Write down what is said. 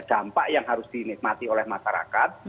dampak yang harus dinikmati oleh masyarakat